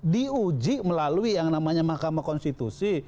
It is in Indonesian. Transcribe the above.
di uji melalui yang namanya mahkamah konstitusi